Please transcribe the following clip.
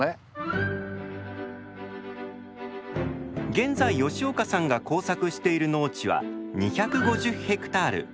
現在吉岡さんが耕作している農地は２５０ヘクタール。